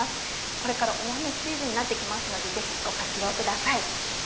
これから大雨シーズンになってきますのでご活用ください。